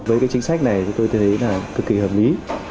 với cái chính sách này tôi thấy là cực kỳ hợp lý